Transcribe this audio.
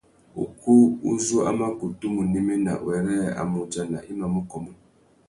Ukú u zú a mà kutu mù néména wêrê a mù udjana i mà mù kômô.